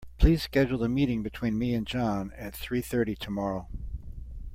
Please schedule a meeting between me and John at three thirty tomorrow.